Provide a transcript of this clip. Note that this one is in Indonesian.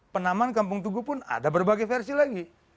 penaman kampung tugu pun ada berbagai versi lagi